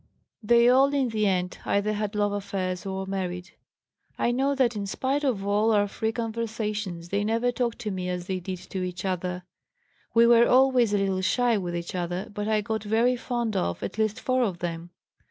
They all in the end either had love affairs or married. I know that in spite of all our free conversations they never talked to me as they did to each other; we were always a little shy with each other. But I got very fond of at least four of them.